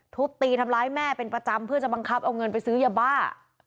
ทุบตีทำร้ายแม่เป็นประจำเพื่อจะบังคับเอาเงินไปซื้อยาบ้า